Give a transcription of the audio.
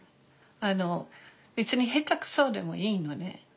あの別に下手くそでもいいのね。